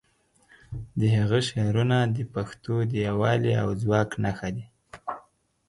د هغه شعرونه د پښتو د یووالي او ځواک نښه دي.